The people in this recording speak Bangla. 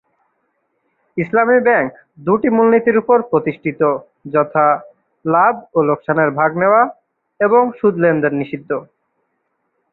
ইসলামি ব্যাংক দুটি মূলনীতির উপর প্রতিষ্টিত; যথাঃ লাভ ও লোকসানের ভাগ নেওয়া এবং সুদ লেনদেন নিষিদ্ধ।